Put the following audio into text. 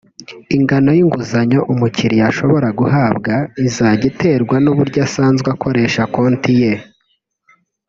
Ingano y’inguzanyo umukiliya ashobora guhabwa izajya iterwa n’uburyo asanzwe akoresha konti ye